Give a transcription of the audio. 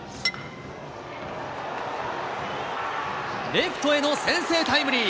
レフトへの先制タイムリー。